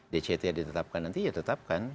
dct yang ditetapkan nanti ya tetapkan